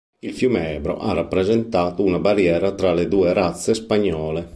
Il fiume Ebro ha rappresentato una barriera tra le due razze spagnole.